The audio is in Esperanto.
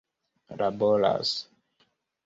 laboras